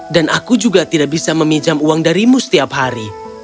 aku juga tidak bisa meminjam uang darimu setiap hari